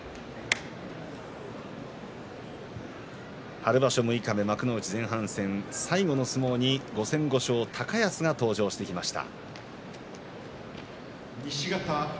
春場所六日目前半戦最後、の相撲５戦５勝の高安が登場してきました。